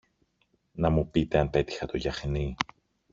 να μου πείτε αν πέτυχα το γιαχνί.